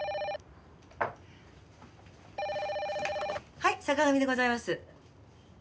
はい坂上でございます。